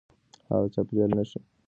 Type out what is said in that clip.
هغه د چاپېريال نښې لوستلای شوې.